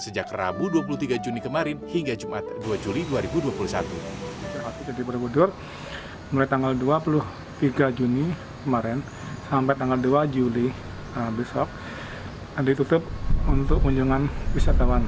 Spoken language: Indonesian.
sejak rabu dua puluh tiga juni kemarin hingga jumat dua juli dua ribu dua puluh satu